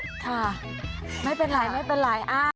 ค่ะไม่เป็นไรไม่เป็นไร